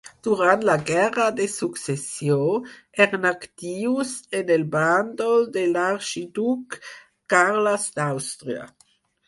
Durant la Guerra de Successió, eren actius en el bàndol de l'arxiduc Carles d'Àustria.